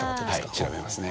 調べますね